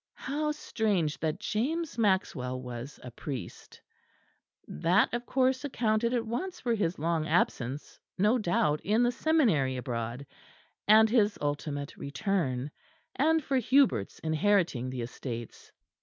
How strange that James Maxwell was a priest! That of course accounted at once for his long absence, no doubt in the seminary abroad, and his ultimate return, and for Hubert's inheriting the estates.